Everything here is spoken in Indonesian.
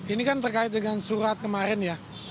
ini kan terkait dengan surat kemarin ya